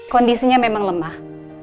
kondisinya memang lemah